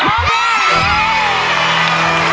ก็คือร้องให้เหมือนเพลงเมื่อสักครู่นี้